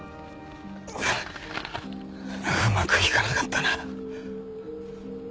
うまくいかなかったな。